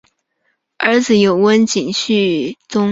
儿子有温井续宗。